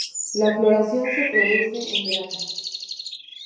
La floración se produce en verano.